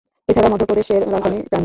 এছাড়াও মধ্যপ্রদেশের রাজধানী ক্যান্ডি।